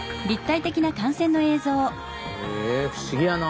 へえ不思議やな。